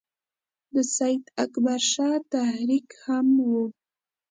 د سید اکبر شاه تحریک هم وو.